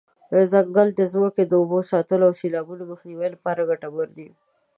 ځنګل د ځمکې د اوبو ساتلو او د سیلابونو د مخنیوي لپاره ګټور دی.